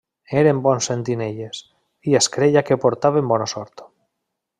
Eren bons sentinelles, i es creia que portaven bona sort.